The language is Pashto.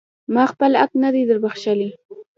ما خپل حق نه دی در بښلی.